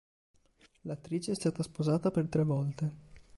L'attrice è stata sposata per tre volte.